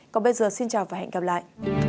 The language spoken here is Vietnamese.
còn bây giờ xin chào và hẹn gặp lại